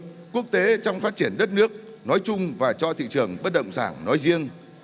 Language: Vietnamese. hội nghị luôn quan tâm tới việc phát triển đất nước nói chung và cho thị trường bất động sản nói riêng